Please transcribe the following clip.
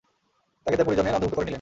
তাকে তার পরিজনের অন্তর্ভূক্ত করে নিলেন।